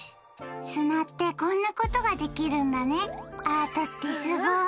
砂ってこんなことができるんだね、アートってすごい。